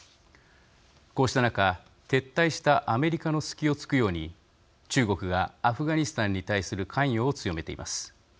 こうした中撤退したアメリカの隙をつくように中国がアフガニスタンに対する関与を強めています。